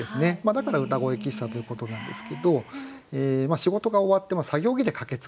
だからうたごえ喫茶ということなんですけど仕事が終わって作業着で駆けつけると。